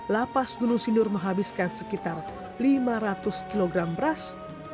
lapas gunung sindur menghabiskan sekitar lima ratus kg beras